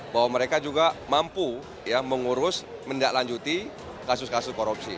bahwa mereka juga mampu mengurus mendaklanjuti kasus kasus korupsi